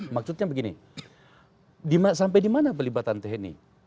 maksudnya begini sampai di mana pelibatan tni